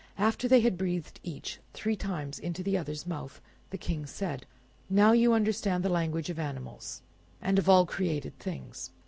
After they had breathed each three times into the other's mouth, the King said— "Now you understand the language of animals, and of all created things.